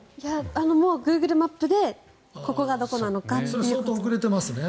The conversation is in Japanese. もうグーグルマップでここがどこなのかって。